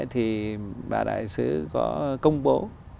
thì bà đại sứ có công bố